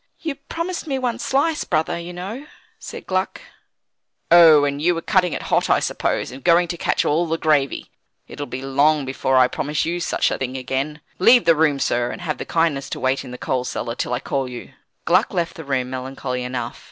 "You promised me one slice, brother, you know," said Gluck. "Oh! and you were cutting it hot, I suppose, and going to catch all the gravy. It'll be long before I promise you such a thing again. Leave the room, sir; and have the kindness to wait in the coal cellar till I call you." Gluck left the room melancholy enough.